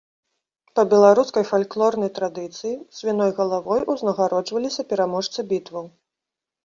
Па беларускай фальклорнай традыцыі, свіной галавой узнагароджваліся пераможцы бітваў.